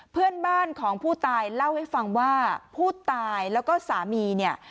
เพื่อนบ้านของผู้ตายเล่าให้ฟังว่าผู้ตายแล้วก็สามีเนี่ย